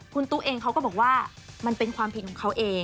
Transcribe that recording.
คุณตุ๊กเองเขาก็บอกว่ามันเป็นความผิดของเขาเอง